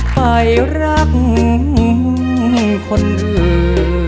ไปรักคนอื่น